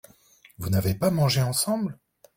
Vous n’avez pas mangé ensemble ?